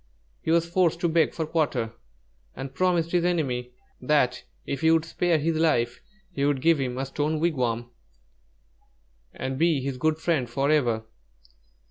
He was forced to beg for quarter, and promised his enemy that if he would spare his life, he would give him a stone wigwam and be his good friend forever.